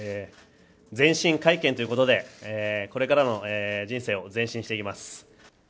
前進会見ということで、これからの人生を前進していきます。